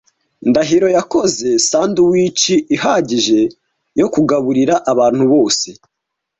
Ndahiro yakoze sandwiches ihagije yo kugaburira abantu bose.